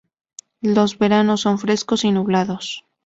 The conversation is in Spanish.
Los veranos son frescos y nublados.